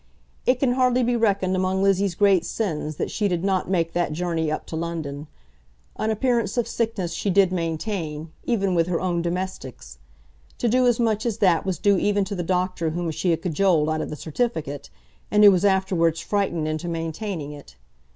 It can hardly be reckoned among Lizzie's great sins that she did not make that journey up to London. An appearance of sickness she did maintain, even with her own domestics. To do as much as that was due even to the doctor whom she had cajoled out of the certificate, and who was afterwards frightened into maintaining it.